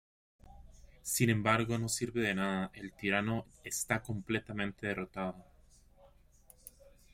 Sin embargo, no sirve de nada; el tirano está completamente derrotado.